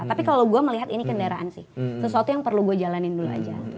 tapi kalau gue melihat ini kendaraan sih sesuatu yang perlu gue jalanin dulu aja